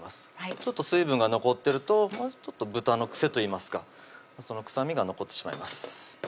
ちょっと水分が残ってると豚の癖といいますか臭みが残ってしまいます